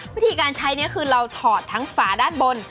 วิธีการใช้นี้คือเราถอดทั้งฝาด้านบน